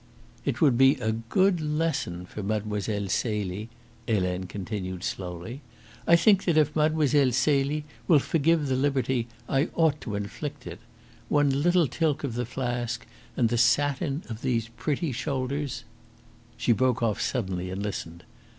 "It would be a good lesson for Mlle. Celie," Helene continued slowly. "I think that if Mlle. Celie will forgive the liberty I ought to inflict it. One little tilt of the flask and the satin of these pretty shoulders " She broke off suddenly and listened.